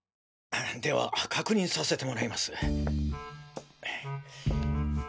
では確認させてもらいます。